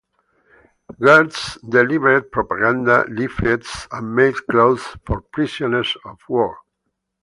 Gertz delivered propaganda leaflets and made clothes for prisoners of war.